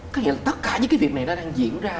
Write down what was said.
có nghĩa là tất cả những cái việc này đang diễn ra